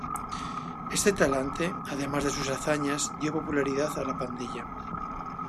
Este talante, además de sus hazañas, dio popularidad a la pandilla.